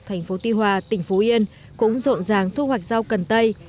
thành phố tuy hòa tỉnh phú yên cũng rộn ràng thu hoạch rau cần tây